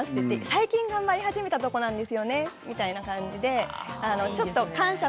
最近頑張り始めたところなんですよね、みたいな感じで感謝